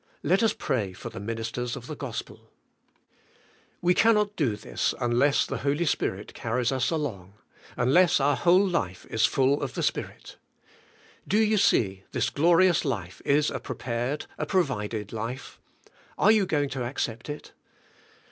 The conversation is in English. Let us pray for the ministers of the gospel. 72 THE SPIRITUAL LIFE. We cannot do all this unless the Holy Spirit carries us along, unless our whole life is full of the Spirit. Do you see, this glorious life is a prepared, a provided life? Are you going to accept it?